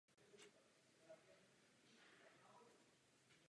Bratr Josh Cohen hraje také tenis.